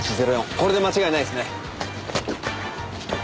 これで間違いないですね。